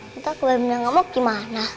kita ke babinya ngamuk gimana